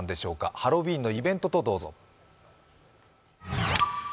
ハロウィーンのイベントとどうぞ。